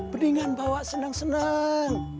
lebih baik bawa senang senang